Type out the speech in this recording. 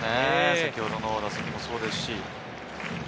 先ほどの打席もそうですし。